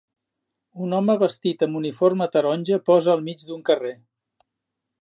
Un home vestit amb uniforme taronja posa al mig d'un carrer.